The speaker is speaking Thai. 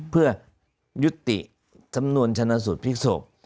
เพื่อยุติสำนวนชนะสูตรพลิกศพ